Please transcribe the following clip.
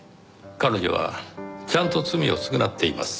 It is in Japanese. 彼女はちゃんと罪を償っています。